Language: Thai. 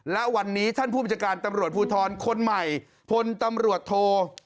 และวันนี้ท่านผู้บัญชาการตำรวจภูทรคนใหม่พลตำรวจโท